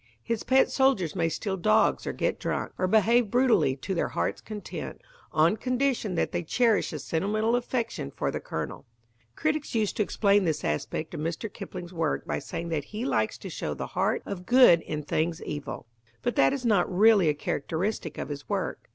His pet soldiers may steal dogs or get drunk, or behave brutally to their heart's content, on condition that they cherish a sentimental affection for the Colonel. Critics used to explain this aspect of Mr. Kipling's work by saying that he likes to show the heart of good in things evil. But that is not really a characteristic of his work.